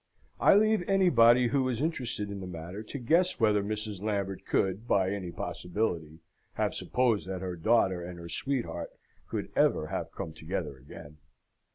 I leave anybody who is interested in the matter to guess whether Mrs. Lambert could by any possibility have supposed that her daughter and her sweetheart could ever have come together again.